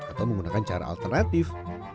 atau menggunakan cara alternatif